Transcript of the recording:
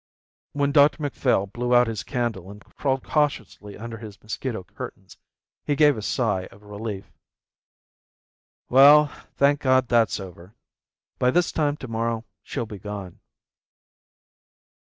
When Dr Macphail blew out his candle and crawled cautiously under his mosquito curtains, he gave a sigh of relief. "Well, thank God that's over. By this time to morrow she'll be gone."